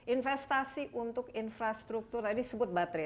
investasi untuk infrastruktur tadi sebut baterai